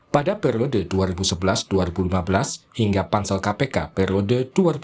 pada periode dua ribu sebelas dua ribu lima belas hingga pansel kpk periode dua ribu tujuh belas dua ribu dua puluh